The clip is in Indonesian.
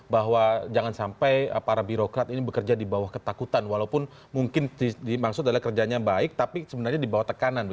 bahwa jangan sampai para birokrat ini bekerja di bawah ketakutan walaupun mungkin dimaksud adalah kerjanya baik tapi sebenarnya di bawah tekanan